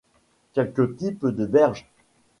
Quelques types de berges..